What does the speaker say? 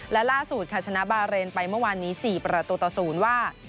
และล่าสุดค่ะชนะบาเรนไปเมื่อวานนี้๔ประตูต่อ๐ว่า